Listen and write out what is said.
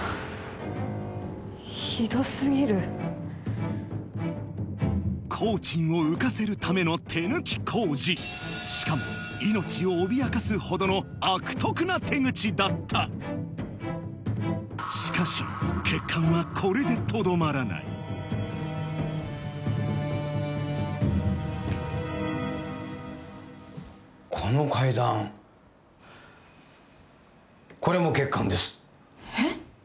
ひどすぎる工賃を浮かせるための手抜き工事しかも命を脅かすほどの悪徳な手口だったしかし欠陥はこれでとどまらないこの階段これも欠陥ですえっ？